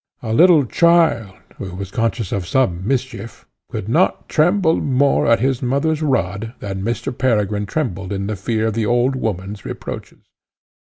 A little child, who was conscious of some mischief, could not tremble more at his mother's rod than Mr. Peregrine trembled in the fear of the old woman's reproaches.